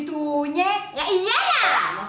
mau lagi gak